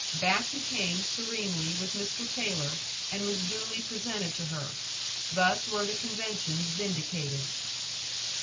Back he came serenely with Mr. Taylor, and was duly presented to her. Thus were the conventions vindicated.